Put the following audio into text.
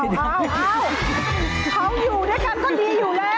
เอ้าเขาอยู่ด้วยกันก็ดีอยู่แล้ว